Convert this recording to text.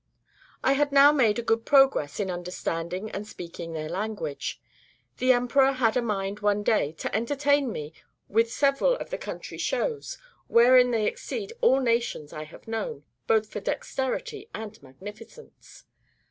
I had now made a good progress in understanding and speaking their language. The emperor had a mind, one day, to entertain me with several of the country shows, wherein they exceed all nations I have known, both for dexterity and magnificence.